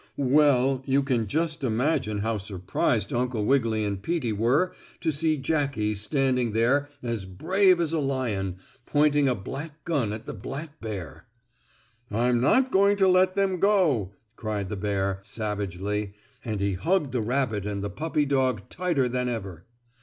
Well, you can just imagine how surprised Uncle Wiggily and Peetie were to see Jackie standing there as brave as a lion, pointing a black gun at the black bear. "I'm not going to let them go!" cried the bear, savagely, and he hugged the rabbit and the puppy dog tighter than ever.